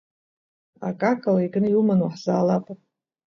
Акакала икны иуман уаҳзаалап!